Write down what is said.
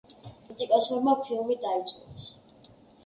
კრიტიკოსებმა ფილმი დაიწუნეს.